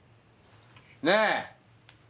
ねえ！